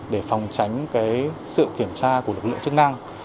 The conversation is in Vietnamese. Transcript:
để phòng tránh sự kiểm tra của lực lượng chức năng